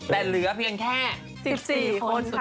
แต่เหลือเพียงแค่๑๔คนค่ะ